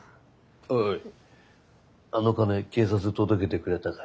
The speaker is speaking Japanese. おいあの金警察届けてくれたかい？